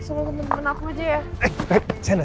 sama temen temen aku aja ya